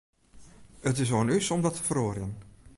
It is oan ús om dat te feroarjen.